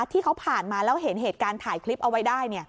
ที่เขาผ่านมาแล้วเห็นเหตุการณ์ถ่ายคลิปเอาไว้ได้